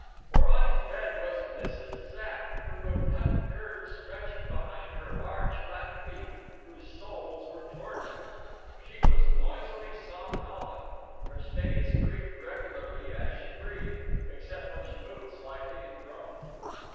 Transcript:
For on his bed was Mrs. Zapp, her rotund curves stretching behind her large flat feet, whose soles were toward him. She was noisily somnolent; her stays creaked regularly as she breathed, except when she moved slightly and groaned.